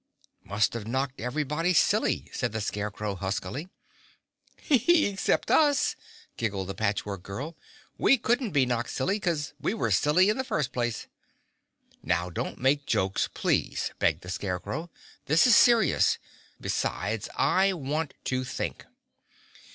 "Must have knocked everybody silly," said the Scarecrow huskily. "Except us," giggled the Patch Work Girl. "We couldn't be knocked silly 'cause we were silly in the first place." "Now, don't make jokes, please," begged the Scarecrow. "This is serious. Besides, I want to think."